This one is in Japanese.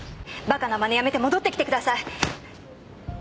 馬鹿なまねやめて戻ってきてください！